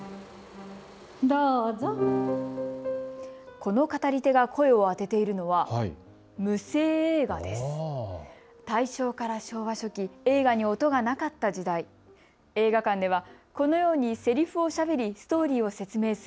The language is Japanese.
この語り手が声をあてているのは無声映画です。